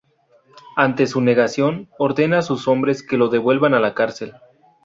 Ante su negación, ordena a sus hombres que lo devuelvan a la cárcel.